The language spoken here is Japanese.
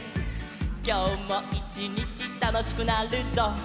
「きょうもいちにちたのしくなるぞ」